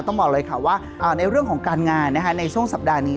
บอกเลยค่ะว่าในเรื่องของการงานในช่วงสัปดาห์นี้